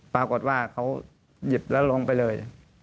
ปรากฏว่าเขาหยิบแล้วลงไปเลย